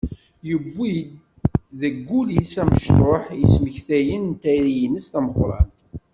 Yewwi deg wul-is amecṭuḥ ismektiyen n tayri-ines tameqqrant.